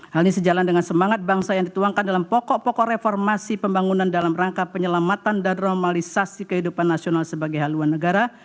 hal ini sejalan dengan semangat bangsa yang dituangkan dalam pokok pokok reformasi pembangunan dalam rangka penyelamatan dan normalisasi kehidupan nasional sebagai haluan negara